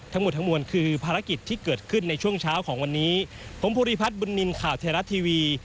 ทั้งหมดทั้งมวลคือภารกิจที่เกิดขึ้นในช่วงเช้าของวันนี้ผมภูริพัฒน์บุญนินทร์ข่าวไทยรัฐทีวี